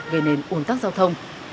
gây nên uồn tắc giao thông